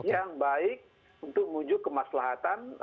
yang baik untuk menuju kemaslahatan